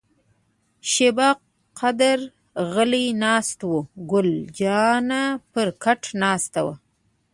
شیبه قدر غلي ناست وو، ګل جانه پر کټ ناسته وه.